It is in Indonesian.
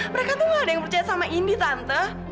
mereka tuh gak ada yang percaya sama indi tante